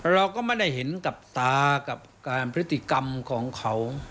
เราก็ไม่ได้เห็นกับตากับการพฤติกรรมของเขา